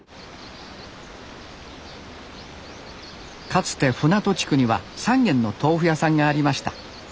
かつて船戸地区には３軒の豆腐屋さんがありました。